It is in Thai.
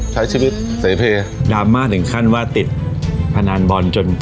ใช้ชีวิตเสเพดราม่าถึงขั้นว่าติดพนันบอลจน